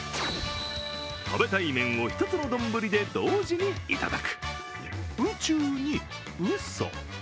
食べたい麺を一つの丼で同時にいただく「うちゅう」に「うそ」。